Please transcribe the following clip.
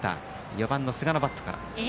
４番の寿賀のバットから。